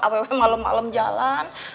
apa apa malem malem jalan